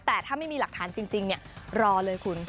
แต่ถ้าไม่มีหลักฐานจริงรอเลยคุณ